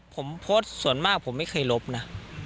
ผมโพสต์ส่วนมากผมไม่เคยลบนะ